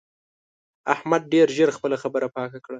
احمد ډېر ژر خپله خبره پاکه کړه.